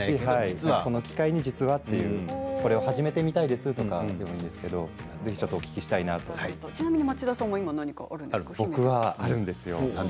この機会に実はこれを始めてみたいですとかもいいんですけど、ぜひちょっとちなみに町田さんはあるんですよ。